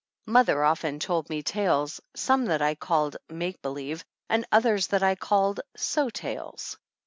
Mother often told me tales, some that I called "make believe," and others that I called "so tales."